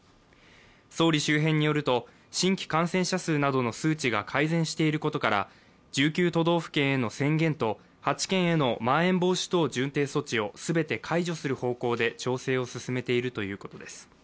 総理周辺によると新規感染者数などの数値が改善していることから、１９都道府県への宣言と８県へのまん延防止等重点措置を全て解除する方向で調整を進めているということです。